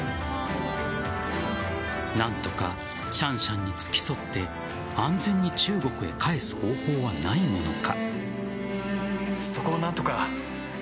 何とかシャンシャンに付き添って安全に中国へ返す方法はないものか。